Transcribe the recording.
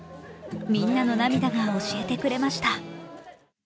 みんなの涙が教えてくれました。